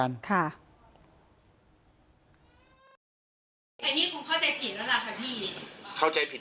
และปกติเขาเป็นคนยังไงครับ